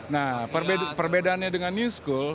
nah perbedaannya dengan news school